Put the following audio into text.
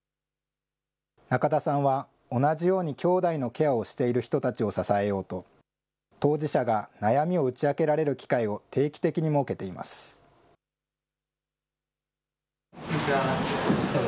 仲田さんは同じようにきょうだいのケアをしている人たちを支えようと、当事者が悩みを打ち明けられる機会を定期的に設けています。